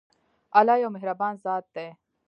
الله يو مهربان ذات دی.